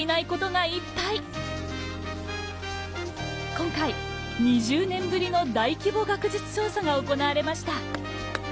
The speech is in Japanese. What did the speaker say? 今回２０年ぶりの大規模学術調査が行われました。